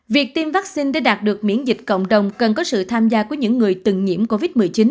việc tiêm vaccine để đạt được miễn dịch cộng đồng cần có sự tham gia của những người từng nhiễm covid một mươi chín